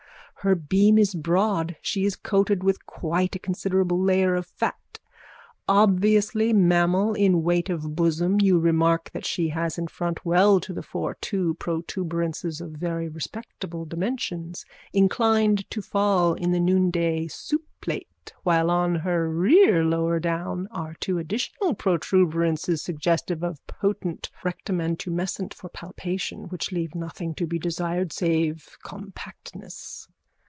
Her beam is broad. She is coated with quite a considerable layer of fat. Obviously mammal in weight of bosom you remark that she has in front well to the fore two protuberances of very respectable dimensions, inclined to fall in the noonday soupplate, while on her rere lower down are two additional protuberances, suggestive of potent rectum and tumescent for palpation, which leave nothing to be desired save compactness.